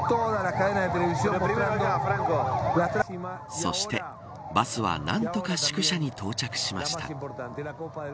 そしてバスは何とか宿舎に到着しました。